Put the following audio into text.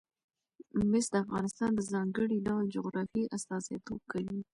مس د افغانستان د ځانګړي ډول جغرافیه استازیتوب کوي.